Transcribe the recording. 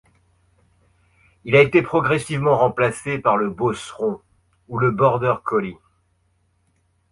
Il a été progressivement remplacé par le Beauceron ou le Border collie.